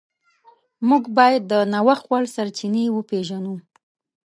موږ باید د نوښت وړ سرچینې وپیژنو.